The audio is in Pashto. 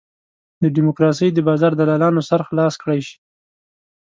د ډیموکراسۍ د بازار دلالانو سر خلاص کړای شي.